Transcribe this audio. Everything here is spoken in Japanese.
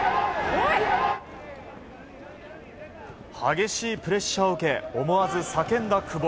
激しいプレッシャーを受け思わず叫んだ久保。